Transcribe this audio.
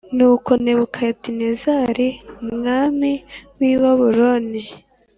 Nuko Nebukadinezari umwami w i Babuloni